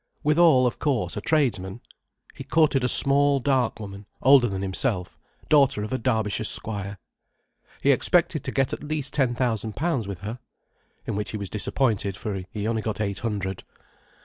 Withal, of course, a tradesman. He courted a small, dark woman, older than himself, daughter of a Derbyshire squire. He expected to get at least ten thousand pounds with her. In which he was disappointed, for he got only eight hundred.